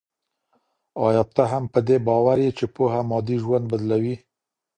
ايا ته هم په دې باور يې چي پوهه مادي ژوند بدلوي؟